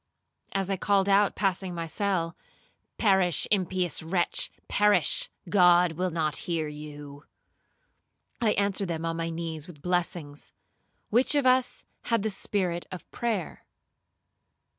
As they called out, passing my cell, 'Perish, impious wretch, perish,—God will not hear you,' I answered them on my knees with blessings,—which of us had the spirit of prayer?